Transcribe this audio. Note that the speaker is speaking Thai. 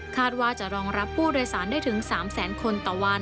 ว่าจะรองรับผู้โดยสารได้ถึง๓แสนคนต่อวัน